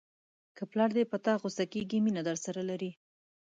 که پلار دې په تا غوسه کېږي مینه درسره لري.